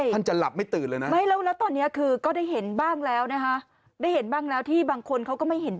ท่านจะหลับไม่ตื่นเลยนะ